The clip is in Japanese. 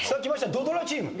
土ドラチーム。